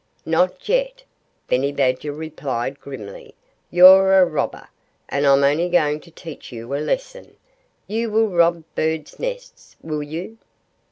"Not yet!" Benny Badger replied grimly. "You're a robber. And I'm going to teach you a lesson. ... You will rob birds' nests, will you?"